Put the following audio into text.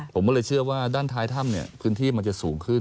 ผมก็เลยเชื่อว่าด้านท้ายถ้ำเนี่ยพื้นที่มันจะสูงขึ้น